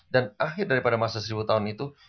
dan akhir daripada masa seribu tahun itu